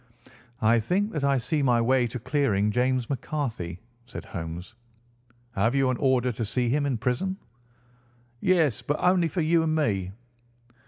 "I think that I see my way to clearing James McCarthy," said Holmes. "Have you an order to see him in prison?" "Yes, but only for you and me."